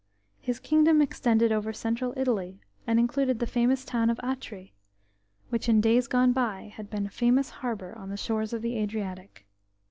His kingdom extended over Central Italy, and included the famous town of Atri, which in days gone by had been a famous harbour on the shores of the Adriatic.